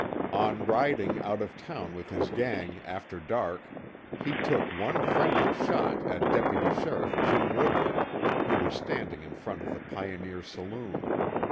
On riding out of town with his gang after dark, he took one friendly shot at Deputy Sheriff Jim Woodland, who was standing in front of the Pioneer Saloon.